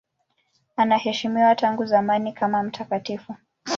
Anaheshimiwa tangu zamani kama mtakatifu.